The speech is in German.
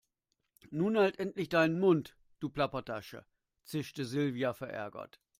Nun halt endlich deinen Mund, du Plappertasche, zischte Silvia verärgert.